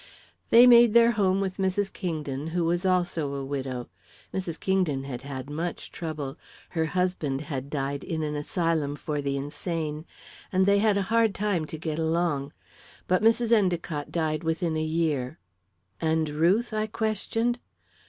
"They made their home with Mrs. Kingdon, who was also a widow. Mrs. Kingdon had had much trouble her husband had died in an asylum for the insane and they had a hard time to get along. But Mrs. Endicott died within a year." "And Ruth?" I questioned.